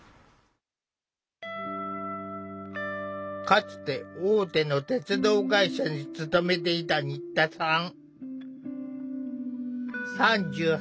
かつて大手の鉄道会社に勤めていた新田さん。